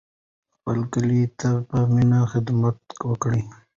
خپل کلي ته په مینه خدمت وکړئ.